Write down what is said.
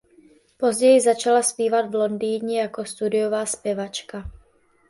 Později začala zpívat v Londýně jako studiová zpěvačka.